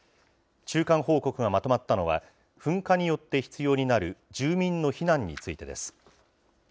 中間報告がまとまったのは、噴火によって必要になる住民の避難についてです。